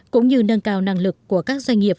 cũng như nâng cao năng lực của các doanh nghiệp